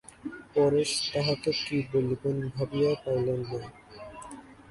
পরেশ তাহাকে কী বলিবেন ভাবিয়া পাইলেন না।